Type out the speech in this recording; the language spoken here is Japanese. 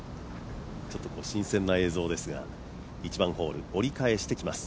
ちょっと新鮮な映像ですが、１番ホール、折り返してきます。